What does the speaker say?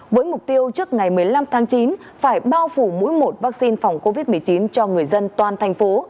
với mục tiêu trước ngày một mươi năm tháng chín phải bao phủ mũi một vaccine phòng covid một mươi chín cho người dân toàn thành phố